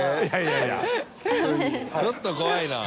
ちょっと怖いな。